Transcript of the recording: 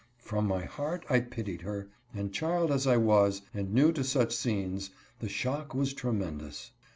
From my heart I pitied her, and child as I was, and new to such scenes, the shock was tremendous.